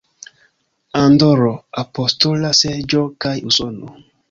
Andoro, Apostola Seĝo kaj Usono.